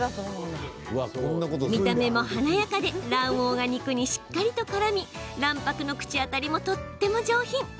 見た目も華やかで卵黄が肉にしっかりとからみ卵白の口当たりもとっても上品。